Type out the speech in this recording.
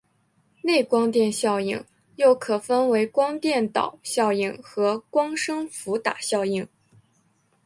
内光电效应又可分为光电导效应和光生伏打效应。